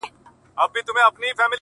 اوس مي لا په هر رگ كي خـوره نـــه ده~